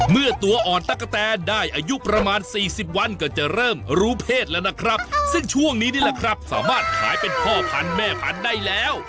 เมื่อตัวอ่อนตะกะแตนได้อายุประมาณสี่สิบวันก็จะเริ่มรู้เพศแล้วนะครับซึ่งช่วงนี้นี่แหละครับสามารถขายเป็นพ่อพันธุ์แม่พันธุ์ได้แล้ว